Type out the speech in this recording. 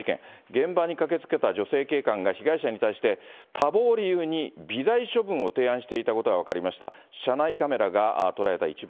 現場に駆けつけた女性警官が被害者に対して、多忙を理由に、微罪処分を提案していたことが分かりました。